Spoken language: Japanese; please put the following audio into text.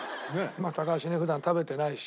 まあ高橋ね普段食べてないし。